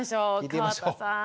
川田さん